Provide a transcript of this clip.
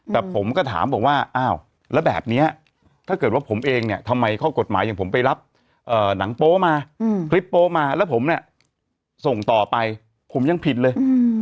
แต่ผมก็ถามบอกว่าอ้าวแล้วแบบนี้ถ้าเกิดว่าผมเองเนี่ยทำไมข้อกฎหมายอย่างผมไปรับหนังโป๊มาคลิปโป๊มาแล้วผมเนี่ยส่งต่อไปผมยังผิดเลย